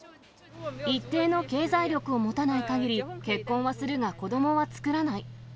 一定の経済力を持たないかぎり、結婚はするが、子どもは作らない。